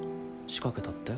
仕掛けたって？